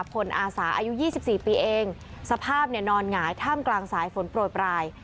พลอาสาอายุ๒๔ปีเองสภาพเนี่ยนอนหงายท่ามกลางสายฝนโปรดปลาย